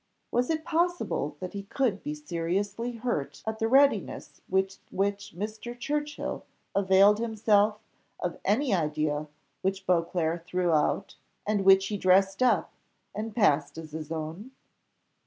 Was it possible that he could be seriously hurt at the readiness with which Mr. Churchill availed himself of any idea which Beauclerc threw out, and which he dressed up, and passed as his own?